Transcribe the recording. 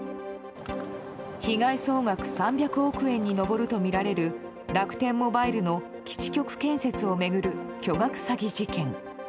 被害総額３００億円に上るとみられる楽天モバイルの基地局建設を巡る巨額詐欺事件。